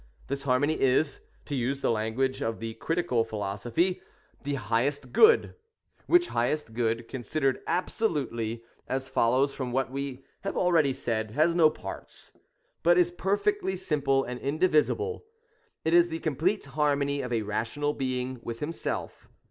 This harmony is, to use the language of the critical philosophy, the highest Good; which highest Good, considered absolutely, as follows from what we have already said, has no parts, but is per fectly simple and indivisible, — it is the complete harmony of a rational being with himself.